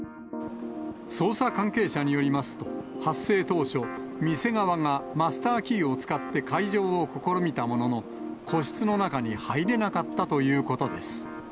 捜査関係者によりますと、発生当初、店側がマスターキーを使って、開錠を試みたものの、個室の中に入れなかったということです。